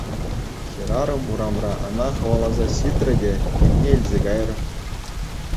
Хӗрарӑм урамра ӑна хӑваласа ҫитрӗ те килне илсе кайрӗ.